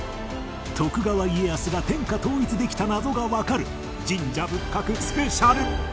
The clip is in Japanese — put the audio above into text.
徳川家康が天下統一できた謎がわかる神社仏閣スペシャル